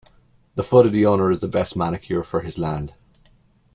The foot of the owner is the best manure for his land.